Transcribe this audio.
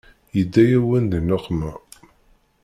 Yedda-yawen di nneqma.